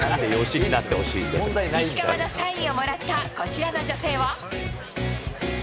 石川のサインをもらったこちらの女性は。